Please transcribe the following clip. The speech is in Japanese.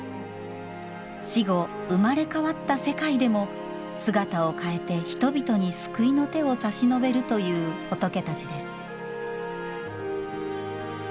死後、生まれ変わった世界でも姿を変えて人々に救いの手を差し伸べるという仏たちです。